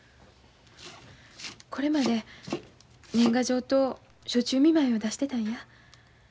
これまで年賀状と暑中見舞いを出してたんや。